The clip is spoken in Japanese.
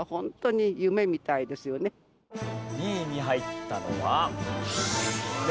２位に入ったのは。